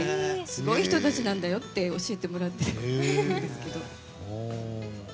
すごい人たちなんだよって教えてもらってるんですけど。